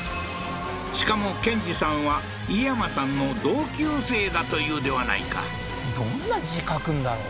しかもケンジさんは伊山さんの同級生だというではないかどんな字書くんだろう？